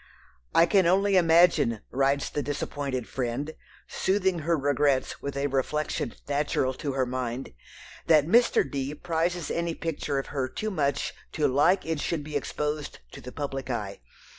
"I can only imagine," writes the disappointed "friend," soothing her regrets with a reflection natural to her mind, "that Mr. D. prizes any picture of her too much to like it should be exposed to the public eye.